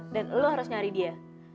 dan lo harus nyari dia